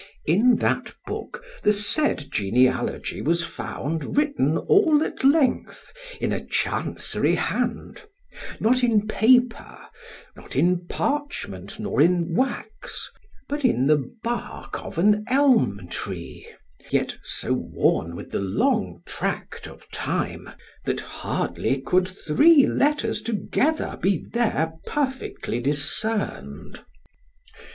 In that book the said genealogy was found written all at length, in a chancery hand, not in paper, not in parchment, nor in wax, but in the bark of an elm tree, yet so worn with the long tract of time, that hardly could three letters together be there perfectly discerned.